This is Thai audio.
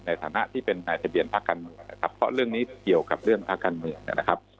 ในฐานะที่เป็นนายทะเบียนภาคการเมืองนะครับเพราะเรื่องนี้เกี่ยวกับเรื่องภาคการเมืองนะครับ